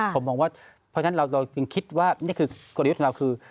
ผมมองว่าเพราะฉะนั้นเราจึงคิดว่านี่คือกลยุทธ์ของเราคือ